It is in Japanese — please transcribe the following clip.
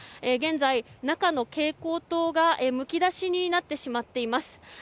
現在、中の蛍光灯がむき出しになってしまっています。